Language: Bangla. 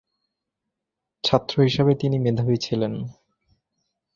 ছাত্র হিসেবে তিনি মেধাবী ছিলেন।